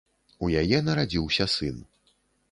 У яе нарадзіўся сын.